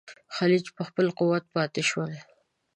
خلج په خپل قوت پاته شول.